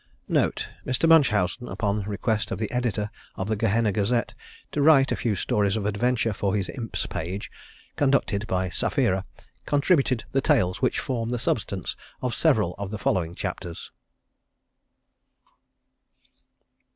NOTE Mr. Munchausen, upon request of the Editor of the Gehenna Gazette to write a few stories of adventure for his Imp's page, conducted by Sapphira, contributed the tales which form the substance of several of the following chapters.